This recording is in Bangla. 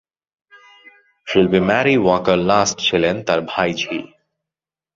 শিল্পী ম্যারি ওয়াকার লাস্ট ছিলেন তার ভাইঝি।